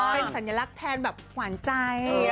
เป็นสัญลักษณ์แทนแบบหวานใจ